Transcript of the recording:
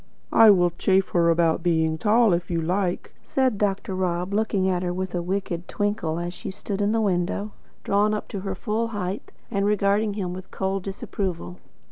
"I will chaff her about being tall if you like," said Dr. Rob, looking at her with a wicked twinkle, as she stood in the window, drawn up to her full height, and regarding him with cold disapproval.